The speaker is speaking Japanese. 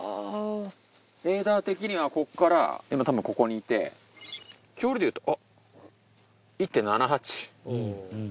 レーダー的にはここから今たぶんここにいて距離でいうとあっ１．７８。